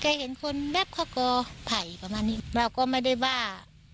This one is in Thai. เราก็ไม่ได้ว่า